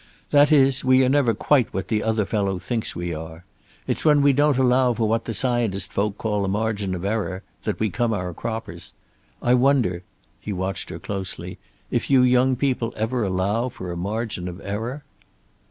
That is, we are never quite what the other fellow thinks we are. It's when we don't allow for what the scientist folk call a margin of error that we come our croppers. I wonder" he watched her closely "if you young people ever allow for a margin of error?"